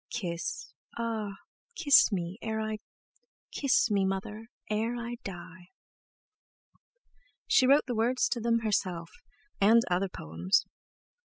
Kiss, ah! kiss me e ere I— Kiss me, Mother, ere I d d die!" She wrote the words to them herself, and other poems.